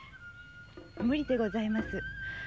無理でございます。